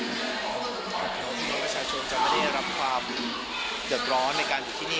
ผมว่าประชาชนจะไม่ได้รับความเดือดร้อนในการอยู่ที่นี่